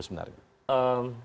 apa yang menarik itu sebenarnya